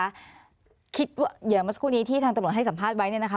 อย่างเมื่อสักครู่นี้ที่ทางตำรวจให้สัมภาษณ์ไว้เนี่ยนะคะ